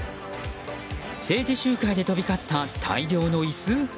政治集会で飛び交った大量の椅子？